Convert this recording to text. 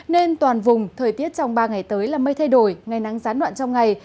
nên toàn vùng thời tiết trong ba ngày tới là mây thay đổi ngày nắng gián đoạn trong ngày